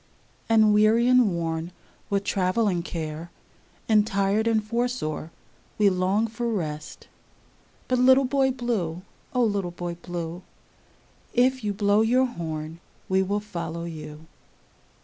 And weary and worn with travel and care, And tired and footsore we long for rest; But little Boy Blue, O little Boy Blue, If you blow your horn we will follow you.